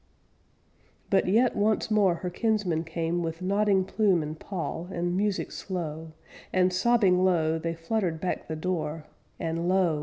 _ But yet once more Her kinsmen came With nodding plume and pall And music slow, And, sobbing low, They fluttered back the door, and lo!